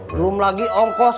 belum lagi ongkos